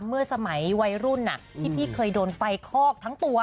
เมื่อสมัยวัยรุ่นที่พี่เคยโดนไฟคอกทั้งตัว